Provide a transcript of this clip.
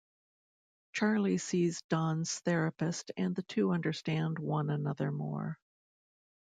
Charlie sees Don's therapist and the two understand one another more.